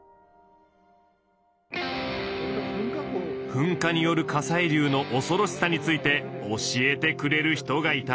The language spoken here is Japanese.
噴火による火砕流のおそろしさについて教えてくれる人がいた。